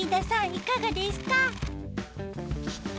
いかがですか？